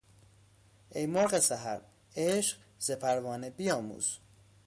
ای مرغ سحر عشق ز پروانه بیاموز